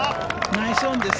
ナイスオンです。